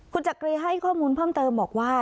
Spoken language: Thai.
คุณจักรีให้ข้อมูลเพิ่มเติมบอกว่า